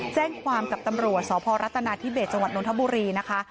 แจ้งความกับตำรวจสพรัฐนาธิเบสจังหวัดนทบุรีนะคะ